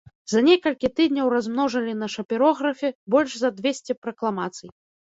За некалькі тыдняў размножылі на шапірографе больш за дзвесце пракламацый.